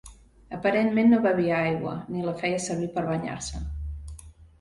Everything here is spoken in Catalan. Aparentment no bevia aigua, ni la feia servir per banyar-se.